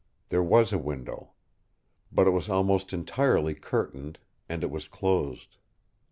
There was a window. But it was almost entirely curtained, and it was closed.